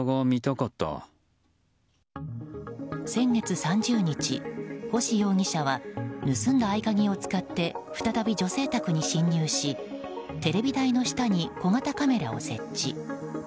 先月３０日、星容疑者は盗んだ合鍵を使って再び女性宅に侵入しテレビ台の下に小型カメラを設置。